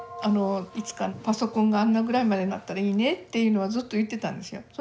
いつかパソコンがあんなぐらいまでなったらいいねっていうのはずっと言ってたんですよ。